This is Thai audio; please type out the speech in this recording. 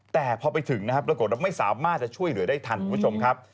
แต่พอไปถึงปรากฏแล้วไม่สามารถช่วยเหลือได้ทันคุณผู้ชมครับ